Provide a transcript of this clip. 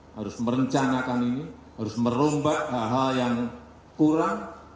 harus merencanakan ini harus merombak hal hal yang kurang